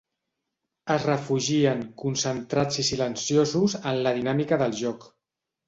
Es refugien, concentrats i silenciosos, en la dinàmica del joc.